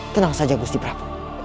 tenang saja musti prap